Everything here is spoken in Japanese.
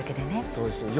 そうですよ。